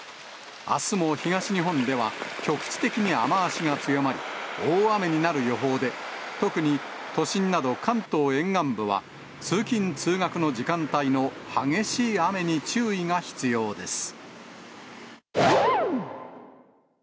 あすも東日本では、局地的に雨足が強まり、大雨になる予報で、特に都心など、関東沿岸部は、通勤・通学の時間帯の激しい雨に注意が必要です。